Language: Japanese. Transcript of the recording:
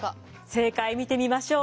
正解見てみましょう。